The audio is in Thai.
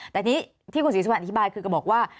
แต่ทีนี้ที่คุณศรีสุวรรณอธิบายคือก็บอกว่า